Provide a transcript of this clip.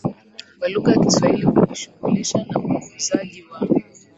wa lugha ya kiswahili Kujishughulisha na ukuzaji wa